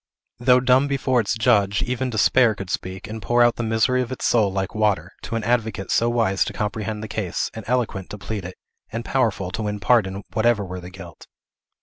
Though dumb before its Judge, even despair could speak, and pour out the misery of its soul like water, to an advocate so wise to comprehend the case, and eloquent to plead it, and powerful to win pardon whatever were the guilt.